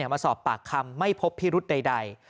มาสอบปากคำไม่พบพิรุธใด